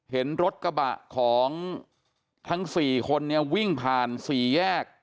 เห็นรถกระบะของทั้ง๔คนเนี่ยวิ่งผ่าน๔แยก